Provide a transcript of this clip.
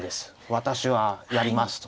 私はやりますと。